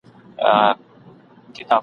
دواړي سترګي د غوايي دي ورتړلي ..